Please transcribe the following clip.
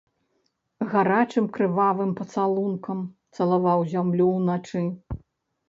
Гарачым крывавым пацалункам цалаваў зямлю ўначы.